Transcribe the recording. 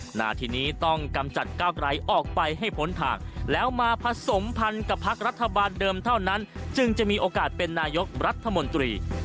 หน้าทีนี้ต้องกำจัดก้าวไกลออกไปให้พ้นทางแล้วมาผสมพันกับพักรัฐบาลเดิมเท่านั้นจึงจะมีโอกาสเป็นนายกรัฐมนตรี